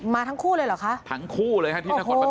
มาทั้งคู่เลยหรอคะทั้งคู่เลยที่นาคั่วประกอบ